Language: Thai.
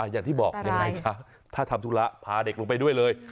อย่างที่บอกยังไงซะถ้าทำธุระพาเด็กลงไปด้วยเลย